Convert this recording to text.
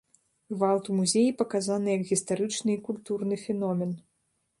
Гвалт у музеі паказаны як гістарычны і культурны феномен.